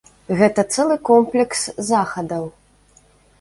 Гэта цэлы комплекс захадаў.